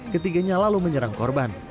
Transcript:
ketiganya lalu menyerang korban